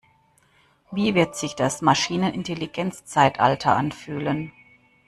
Wie wird sich das Maschinenintelligenzzeitalter anfühlen?